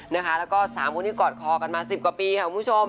แล้วก็๓คนที่กอดคอกันมา๑๐กว่าปีค่ะคุณผู้ชม